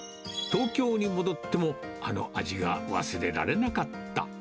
東京に戻ってもあの味が忘れられなかった。